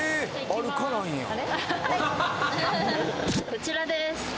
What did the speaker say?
こちらです。